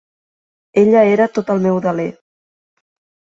Ella era tot el meu deler.